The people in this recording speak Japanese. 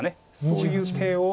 そういう手を。